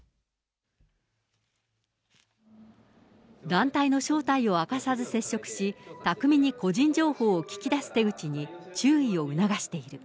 団体の正体を明かさず接触し、巧みに個人情報を聞き出す手口に、注意を促している。